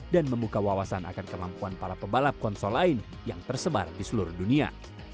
dan membuka wawasan akan kemampuan para pebalap konsol lain yang tersebar di seluruh dunia